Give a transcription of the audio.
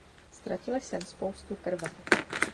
Ztratil jsem spoustu krve.